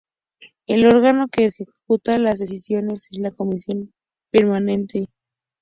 El órgano que ejecuta las decisiones es la Comisión Permanente.